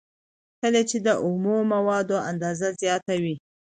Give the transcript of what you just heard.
کله چې د اومو موادو اندازه زیاته وي